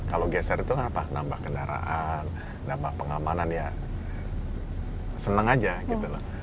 kalau geser itu apa nambah kendaraan nambah pengamanan ya seneng aja gitu loh